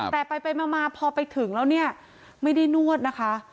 แต่ไปมาพอไปถึงแล้วเนี่ยไม่ได้นวดนะคะ